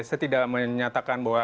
saya tidak menyatakan bahwa